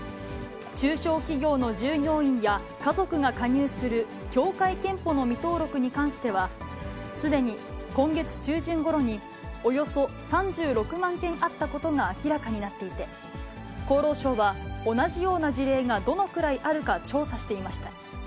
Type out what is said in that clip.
中小企業の従業員や家族が加入する協会けんぽの未登録に関しては、すでに今月中旬ごろに、およそ３６万件あったことが明らかになっていて、厚労省は、同じような事例がどのくらいあるか調査していました。